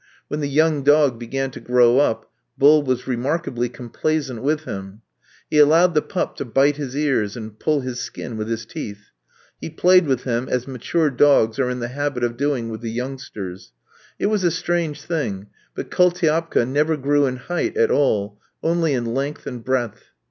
When the young dog began to grow up, Bull was remarkably complaisant with him. He allowed the pup to bite his ears, and pull his skin with his teeth; he played with him as mature dogs are in the habit of doing with the youngsters. It was a strange thing, but Koultiapka never grew in height at all, only in length and breadth.